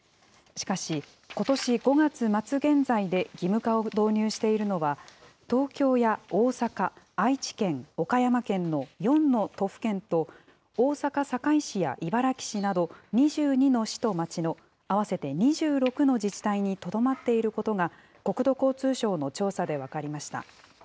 しかし、ことし５月末現在で義務化を導入しているのは、東京や大阪、愛知県、岡山県の４の都府県と、大阪・堺市や茨木市など２２の市と町の合わせて２６の自治体にとどまっていることが、国土交通省の調査で分かりました。